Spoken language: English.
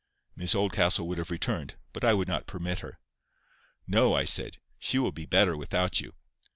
Miss Oldcastle would have returned, but I would not permit her. "No," I said; "she will be better without you.